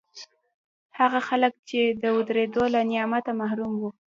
هغه خلک چې د اورېدو له نعمته محروم وو